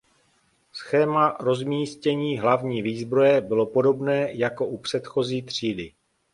Schéma rozmístění hlavní výzbroje bylo obdobné jako u předchozí třídy.